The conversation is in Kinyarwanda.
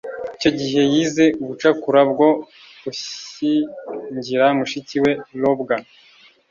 Icyo gihe yize ubucakura bwo gushyingira mushiki we ROBWA